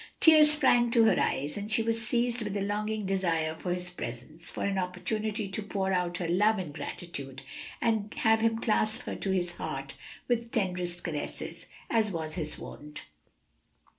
Tears sprang to her eyes, and she was seized with a longing desire for his presence, for an opportunity to pour out her love and gratitude, and have him clasp her to his heart with tenderest caresses, as was his wont.